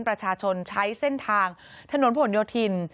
ประชาชนใช้เส้นทางถนนผลโยธิน